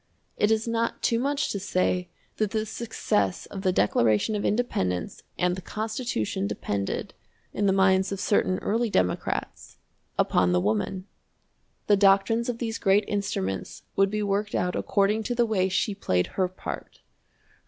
It is not too much to say that the success of the Declaration of Independence and the Constitution depended, in the minds of certain early Democrats, upon the woman. The doctrines of these great instruments would be worked out according to the way she played her part.